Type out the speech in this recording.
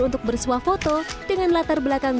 untuk bersuah foto dengan latar belakang